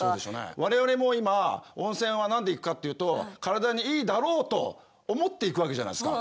我々も今温泉は何で行くかっていうと体にいいだろうと思って行くわけじゃないですか。